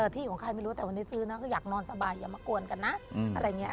ที่ของใครไม่รู้แต่วันนี้ซื้อนะคืออยากนอนสบายอย่ามากวนกันนะอะไรอย่างนี้